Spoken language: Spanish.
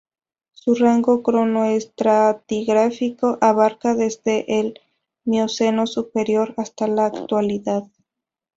Su rango cronoestratigráfico abarca desde el Mioceno superior hasta la Actualidad.